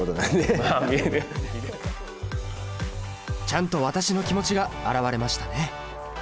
ちゃんと私の気持ちが表れましたね。